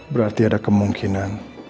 berarti ada kemungkinan